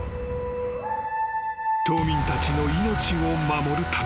［島民たちの命を守るために］